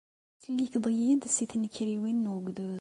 Tettsellikeḍ-iyi-d si tnekkriwin n ugdud.